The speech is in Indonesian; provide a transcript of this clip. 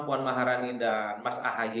puan maharani dan mas ahaye